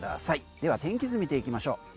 では天気図見ていきましょう。